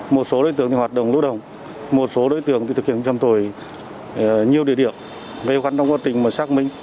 một số đối tượng hoạt động lũ đồng một số đối tượng thực hiện trầm tồi nhiều địa điểm